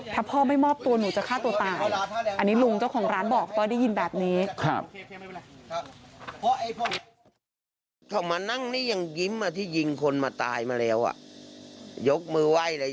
ถ้าพ่อไม่มอบตัวหนูจะฆ่าตัวตาย